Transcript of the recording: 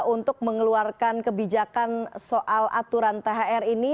untuk mengeluarkan kebijakan soal aturan thr ini